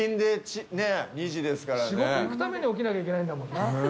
仕事行くために起きなきゃいけないんだもんな。